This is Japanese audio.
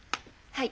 はい。